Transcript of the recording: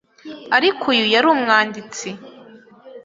Ariko uyu, Yari umwanditsi